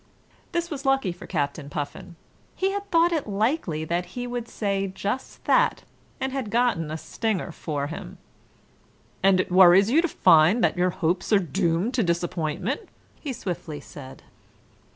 This was lucky for Captain Puffin: he had thought it likely that he would say just that, and had got a stinger for him. "And it worries you to find that your hopes are doomed to disappointment," he swiftly said.